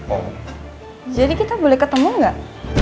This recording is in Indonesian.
oh jadi kita boleh ketemu nggak